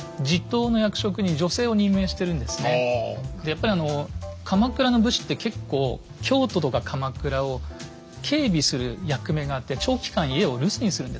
やっぱり鎌倉の武士って結構京都とか鎌倉を警備する役目があって長期間家を留守にするんですね。